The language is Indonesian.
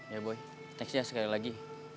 ya boy next ya sekali lagi